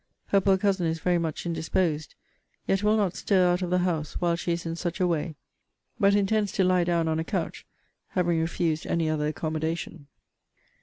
Her poor cousin is very much indisposed; yet will not stir out of the house while she is in such a way; but intends to lie down on a couch, having refused any other accommodation.